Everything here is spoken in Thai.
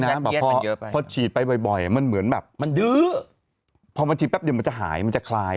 มันฉีดแป๊บเดียวมันจะหายมันจะคลาย